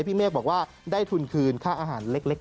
พี่เมฆบอกว่าได้ทุนคืนค่าอาหารเล็ก